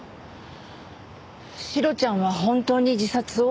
シロちゃんは本当に自殺を？